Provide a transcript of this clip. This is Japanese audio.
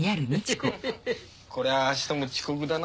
こりゃ明日も遅刻だな。